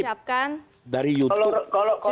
ini transkrip dari youtube